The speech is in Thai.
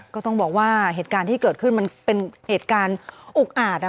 ก็ต้องบอกว่าเหตุการณ์ที่เกิดขึ้นมันเป็นเหตุการณ์อุกอาจ